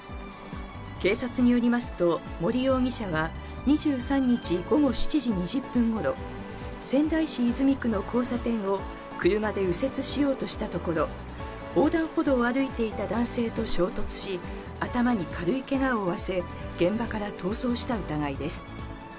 警察によりますと、森容疑者は、２３日午後７時２０分ごろ、仙台市泉区の交差点を車で右折しようとしたところ、横断歩道を歩いていた男性と衝突し、頭に軽いけがを負わせ、現場から逃走した疑いです。